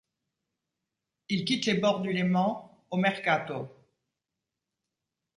Il quitte les bords du Léman au mercato.